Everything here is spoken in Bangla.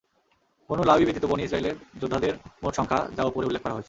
বনু লাওয়ী ব্যতীত বনী ইসরাঈলের যোদ্ধাদের মোট সংখ্যা যা উপরে উল্লেখ করা হয়েছে।